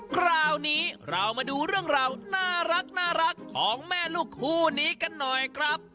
คราวนี้เรามาดูเรื่องราวน่ารักของแม่ลูกคู่นี้กันหน่อยครับ